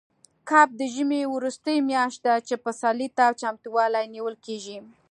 کب د ژمي وروستۍ میاشت ده، چې پسرلي ته چمتووالی نیول کېږي.